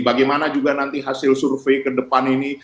bagaimana juga nanti hasil survei ke depan ini